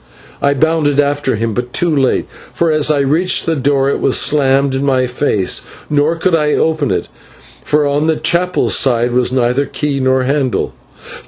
I bounded after him, but too late, for as I reached the door it was slammed in my face, nor could I open it, for on the chapel side were neither key nor handle.